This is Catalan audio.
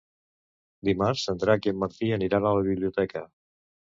Dimarts en Drac i en Martí aniran a la biblioteca.